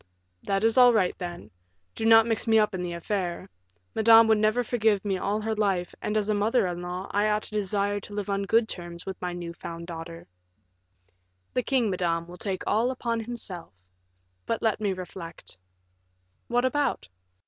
"That is all right, then. Do not mix me up in the affair; Madame would never forgive me all her life, and as a mother in law, I ought to desire to live on good terms with my new found daughter." "The king, madame, will take all upon himself. But let me reflect." "What about?"